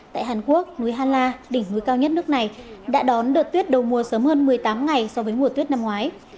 tại hàn quốc núi hala đỉnh núi cao nhất nước này đã đón đợt tuyết đầu mùa sớm hơn một mươi tám ngày so với mùa tuyết năm ngoái